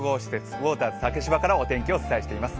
ウォーターズ竹芝からお天気をお伝えしています。